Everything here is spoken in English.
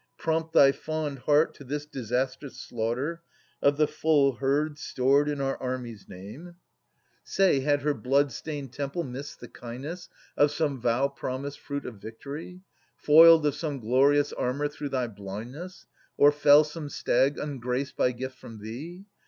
Prompt thy fond heart to this disastrous slaughter Of the full herd stored in our army's name ? 59 6o At'as [176 200 Say, had her blood stained^ temple missed the kindness Of some vow promised fruit of victory, Foiled of some glorious armour through thy blindness, Or fell some stag ungraced by gift from thee